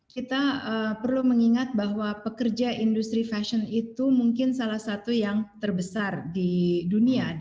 kita perlu mengingat bahwa pekerja industri fashion itu mungkin salah satu yang terbesar di dunia